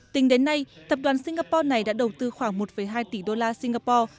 tính đến nay tập đoàn singapore này đã đầu tư khoảng một hai tỷ đô la singapore